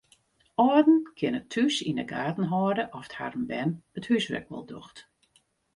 Alden kinne thús yn de gaten hâlde oft harren bern it húswurk wol docht.